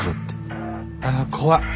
ああ怖い。